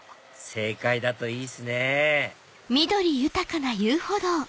正解だといいですね